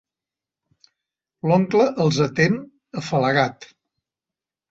L'oncle els atén, afalagat.